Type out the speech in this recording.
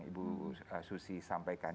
ibu susi sampaikan